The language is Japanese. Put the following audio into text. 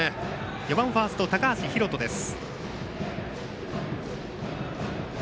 ４番ファースト高橋海翔です。